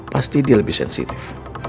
pasti dia lebih sensitif